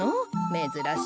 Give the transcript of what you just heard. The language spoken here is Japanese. めずらしい。